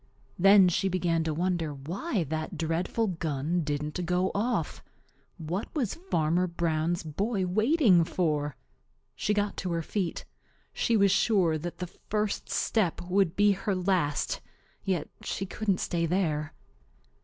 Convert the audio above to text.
Then she began to wonder why that dreadful gun didn't go off. What was Farmer Brown's boy waiting for? She got to her feet. She was sure that the first step would be her last, yet she couldn't stay there.